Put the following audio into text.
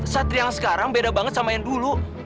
satri yang sekarang beda banget sama yang dulu